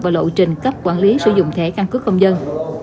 và lộ trình cấp quản lý sử dụng thẻ căn cước công dân